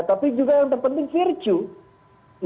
tapi juga yang terpenting virtue